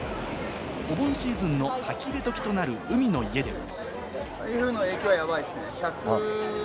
お盆シーズンのかき入れ時となる海の家でも。